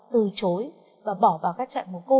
từ chối và bỏ vào các trại mùa cô